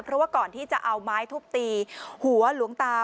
เพราะว่าก่อนที่จะเอาไม้ทุบตีหัวหลวงตา